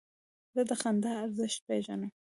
زه د خندا ارزښت پېژنم.